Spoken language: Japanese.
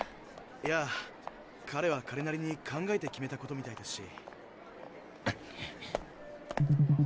いや彼は彼なりに考えて決めたことみたいですし。